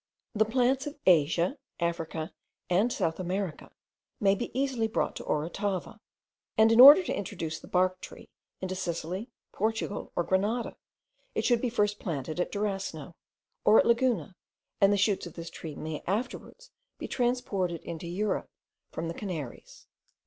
The plants of Asia, Africa, and South America, may easily be brought to Orotava; and in order to introduce the bark tree* into Sicily, Portugal, or Grenada, it should be first planted at Durasno, or at Laguna, and the shoots of this tree may afterwards be transported into Europe from the Canaries.